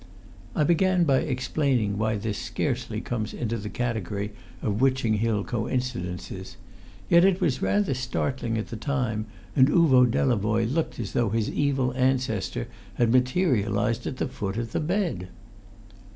I began by explaining why this scarcely comes into the category of Witching Hill coincidences. Yet it was rather startling at the time, and Uvo Delavoye looked as though his evil ancestor had materialised at the foot of the bed.